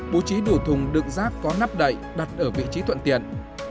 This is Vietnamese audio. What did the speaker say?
bố trí đủ thùng đựng rác có nắp đậy đặt ở vị trí thuận tiện